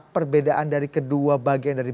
perbedaan dari kedua bagian dari